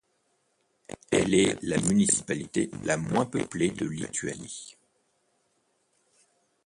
Elle est la municipalité la moins peuplée de Lituanie.